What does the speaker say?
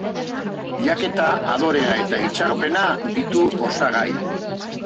Bilaketa, adorea eta itxaropena ditu osagai.